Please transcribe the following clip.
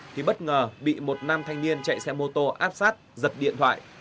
thì bất ngờ bị một nam thanh niên chạy xe mô tô áp sát giật điện thoại